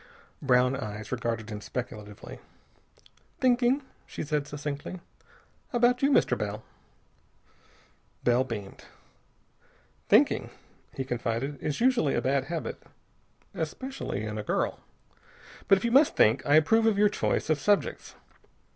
Brown eyes regarded him speculatively. "Thinking," she said succinctly. "About you, Mr. Bell." Bell beamed. "Thinking," he confided, "is usually a bad habit, especially in a girl. But if you must think, I approve of your choice of subjects.